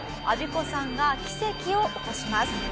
アビコさんが奇跡を起こします。